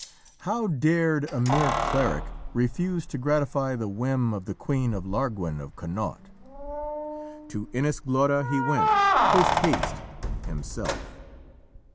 How dared a mere cleric refuse to gratify the whim of the queen of Larguen of Connaught! To Inis Glora he went, posthaste, himself.